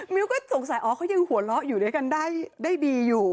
มิวก็สงสัยอ๋อเขายังหัวเราะอยู่ด้วยกันได้ดีอยู่